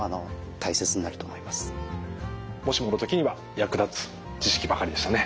もしもの時には役立つ知識ばかりでしたね。